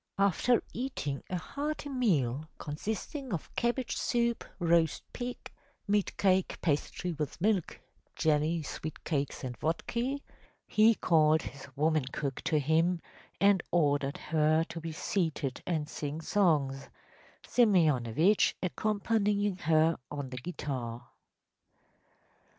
After eating a hearty meal consisting of cabbage soup, roast pig, meat cake, pastry with milk, jelly, sweet cakes, and vodka, he called his woman cook to him and ordered her to be seated and sing songs, Simeonovitch accompanying her on the guitar.